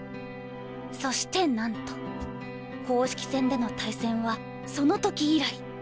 そしてなんと公式戦での対戦はその時以来。